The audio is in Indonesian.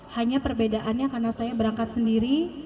hanya perbedaannya karena saya berangkat sendiri